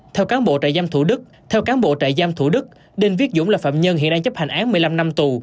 theo cán bộ trại giam thủ đức đinh viết dũng là phạm nhân hiện đang chấp hành án một mươi năm năm tù